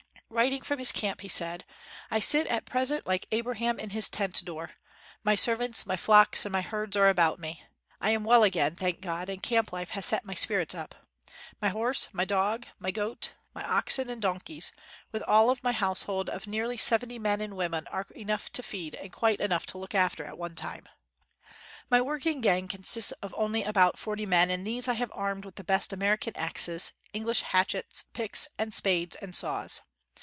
Writing from this camp, he said: "I sit at present like Abraham in his tent door. My servants, my flocks, and my herds are about me. I am well again, thank God, and camp life has set my spirits up. My horse, my dog, my goat, my oxen, and donkeys, with all my household of nearly seventy men and women, are enough to feed, and quite enough to look after at one time. 52 JUNGLE ROADS AND OX CARTS "My working gang consists of 011I3 7 about forty men, and these I have armed with the best American axes, English hatchets, picks and spades and saws.